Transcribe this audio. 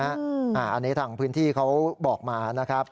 อันนี้ทางพื้นที่เขาบอกมานะครับ